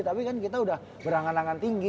tapi kan kita udah berangan angan tinggi